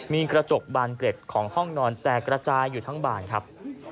มีกระจกบานเกร็ดของห้องนอนแตกกระจายอยู่ทั้งบานครับ